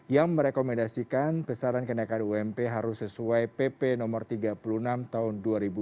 yang merekomendasikan besaran kenaikan ump harus sesuai pp no tiga puluh enam tahun dua ribu dua puluh